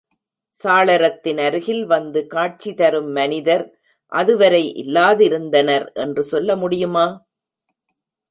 சாளரத்தின் அருகில் வந்து காட்சி தரும் மனிதர் அதுவரை இல்லாதிருந்தனர் என்று சொல்ல முடியுமா?